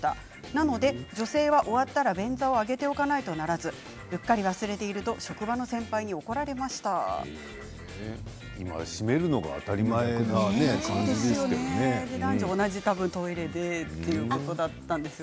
なので女性は終わったら便座を上げておかなければならずうっかり忘れると職場の先輩に怒られましたということです。